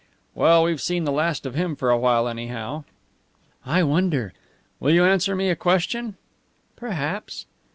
"Well, we've seen the last of him for a while, anyhow." "I wonder." "Will you answer me a question?" "Perhaps."